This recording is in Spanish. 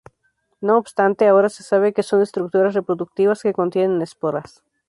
No obstante, ahora se sabe que son estructuras reproductivas que contienen esporas.